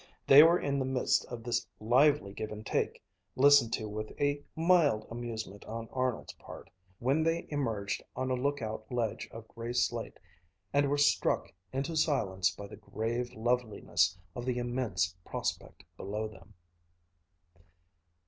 They were in the midst of this lively give and take, listened to with a mild amusement on Arnold's part, when they emerged on a look out ledge of gray slate, and were struck into silence by the grave loveliness of the immense prospect below them.